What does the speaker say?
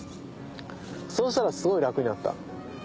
そうしたらすごい楽になった。